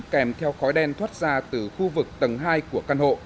kèm theo khói đen thoát ra từ khu vực tầng hai của căn hộ